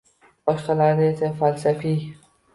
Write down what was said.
boshqalarida esa falsafiy.